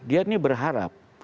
dia ini berharap